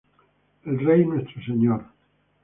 El rey, nuestro señor.